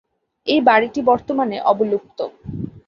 এই বাড়িটি বর্তমানে অবলুপ্ত।